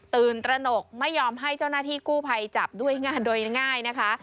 ตระหนกไม่ยอมให้เจ้าหน้าที่กู้ภัยจับด้วยงานโดยง่ายนะคะ